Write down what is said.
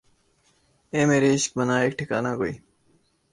اے مرے عشق بنا ایک ٹھکانہ کوئی